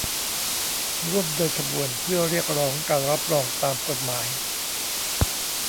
ร่วมเดินขบวนเพื่อเรียกร้องการรับรองตามกฎหมาย